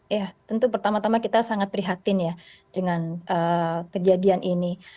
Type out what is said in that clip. ya tentu pertama tama kita sangat prihatin ya dengan kejadian ini